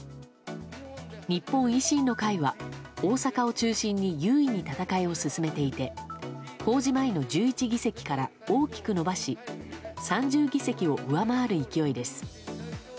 日本維新の会は、大阪を中心に優位に戦いを進めていて公示前の１１議席から大きく伸ばし３０議席を上回る勢いです。